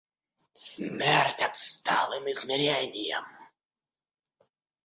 Смерть отсталым измереньям!